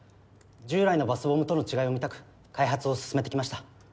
従来のバスボムとの違いを見たく開発を進めてきました。